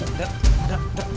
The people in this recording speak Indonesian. nggak enggak enggak